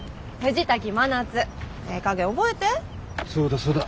そうだそうだ。